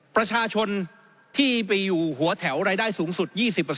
ประชาชนที่ไปอยู่หัวแถวรายได้สูงสุด๒๐